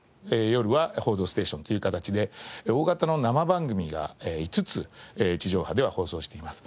夜は『報道ステーション』という形で大型の生番組が５つ地上波では放送しています。